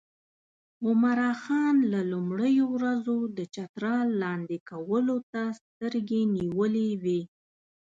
عمرا خان له لومړیو ورځو د چترال لاندې کولو ته سترګې نیولې وې.